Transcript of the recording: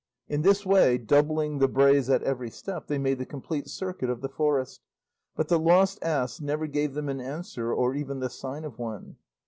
In this way, doubling the brays at every step, they made the complete circuit of the forest, but the lost ass never gave them an answer or even the sign of one.